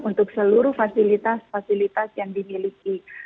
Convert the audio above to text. untuk seluruh fasilitas fasilitas yang dimiliki